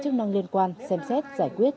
chức năng liên quan xem xét giải quyết